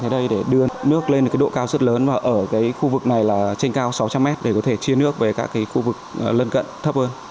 ở đây để đưa nước lên độ cao rất lớn và ở khu vực này là trên cao sáu trăm linh mét để có thể chia nước về các khu vực lân cận thấp hơn